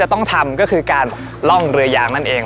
ต้องทำก็คือการล่องเรือยางนั่นเอง